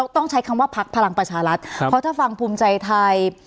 ต้องใช้คำว่าพักพลังประชารัฐเพราะถ้าฟังภูมิใจไทย